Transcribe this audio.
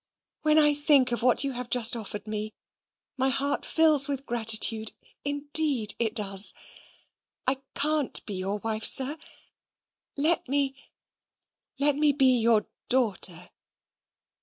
When I think of what you have just offered me, my heart fills with gratitude indeed it does. I can't be your wife, sir; let me let me be your daughter."